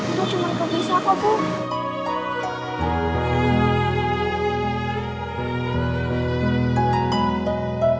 itu cuma kebisa kok bu